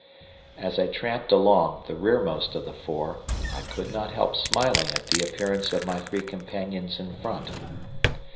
As I tramped along, the rearmost of the four, I could not help smiling at the appearance of my three companions in front.